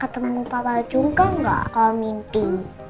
ketemu papa juga nggak kalau mimpi